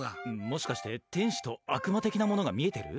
もしかして、天使と悪魔的なものが見えてる？